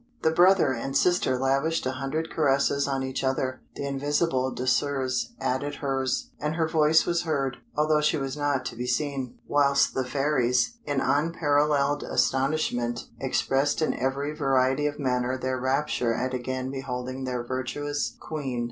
The brother and sister lavished a hundred caresses on each other; the invisible Désirs added hers, and her voice was heard, although she was not to be seen, whilst the fairies, in unparalleled astonishment, expressed in every variety of manner their rapture at again beholding their virtuous Queen.